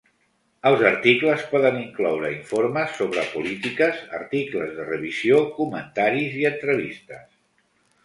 Els articles poden incloure informes sobre polítiques, articles de revisió, comentaris i entrevistes.